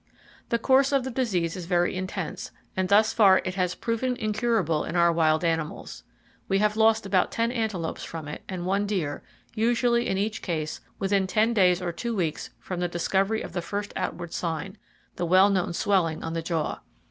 The course of the disease is very intense, and thus far it has proven incurable in our wild animals. We have lost about 10 antelopes from it, and one deer, usually, in each case, within ten days or two weeks from the discovery of the first outward sign,—the well known swelling on the jaw.